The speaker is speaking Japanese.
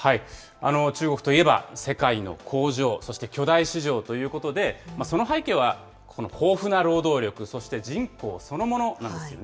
中国といえば、世界の工場、そして巨大市場ということで、その背景は、この豊富な労働力、そして人口そのものなんですよね。